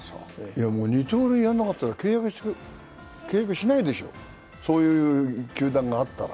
二刀流やらなかったら、契約しないでしょう、そういう球団があったら。